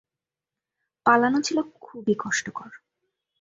পালানো ছিল খুবই কষ্টকর।